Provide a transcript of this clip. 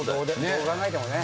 どう考えてもね。